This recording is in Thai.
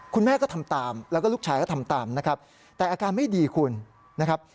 คุณแม่ก็ทำตามแล้วก็ลูกชายก็ทำตามนะครับแต่อาการไม่ดีคุณนะครับ